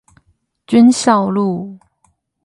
軍校路